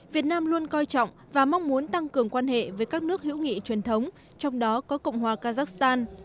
việt nam luôn coi trọng và mong muốn tăng cường quan hệ với các nước hữu nghị truyền thống trong đó có cộng hòa kazakhstan